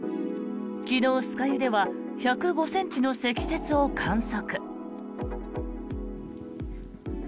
昨日、酸ケ湯では１０５ｃｍの積雪を観測。